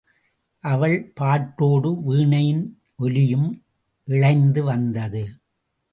அவள் பாட்டோடு வீணையின் ஒலியும் இழைந்து வந்தது.